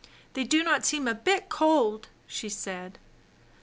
"They do not seem a bit cold/' she said.